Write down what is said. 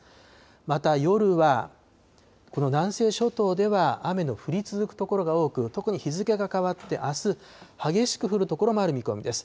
また、夜はこの南西諸島では、雨の降り続く所が多く、特に日付が変わってあす、激しく降る所もある見込みです。